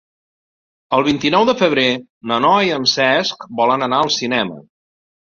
El vint-i-nou de febrer na Noa i en Cesc volen anar al cinema.